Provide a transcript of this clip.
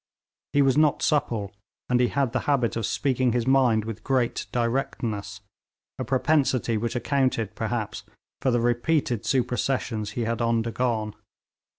He was not supple, and he had the habit of speaking his mind with great directness, a propensity which accounted, perhaps, for the repeated supersessions he had undergone.